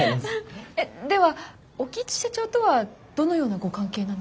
では興津社長とはどのようなご関係なんですか？